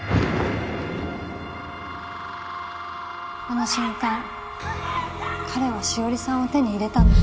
あの瞬間彼は紫織さんを手に入れたの。